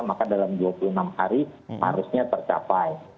maka dalam dua puluh enam hari harusnya tercapai